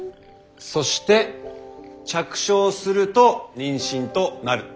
そして着床すると妊娠となる。